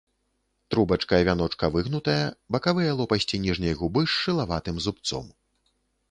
Трубачка вяночка выгнутая, бакавыя лопасці ніжняй губы з шылаватым зубцом.